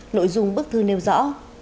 nội dung bức thư nêu rõ